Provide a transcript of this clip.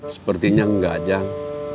sepertinya enggak jang